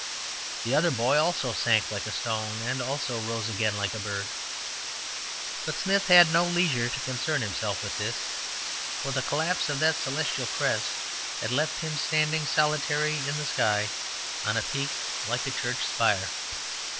The other boy also sank like a stone, and also rose again like a bird, but Smith had no leisure to concern himself with this. For the collapse of that celestial crest had left him standing solitary in the sky on a peak like a church spire.